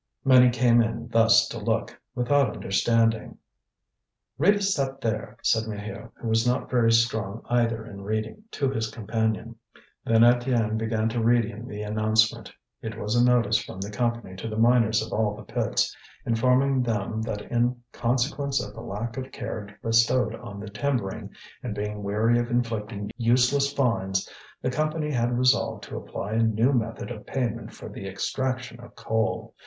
Many came in thus to look, without understanding. "Read us that there!" said Maheu, who was not very strong either in reading, to his companion. Then Étienne began to read him the announcement. It was a notice from the Company to the miners of all the pits, informing them that in consequence of the lack of care bestowed on the timbering, and being weary of inflicting useless fines, the Company had resolved to apply a new method of payment for the extraction of coal.